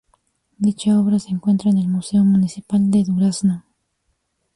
Dicha obra se encuentra en el Museo Municipal de Durazno.